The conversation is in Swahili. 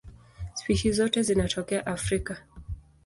Spishi zote zinatokea Afrika.